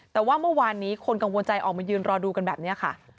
แต่ว่าเมื่อวานนี้คนกังวลใจออกมายืนรอดูกันแบบนี้ค่ะ